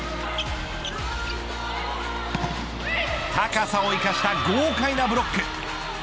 高さを生かした豪快なブロック。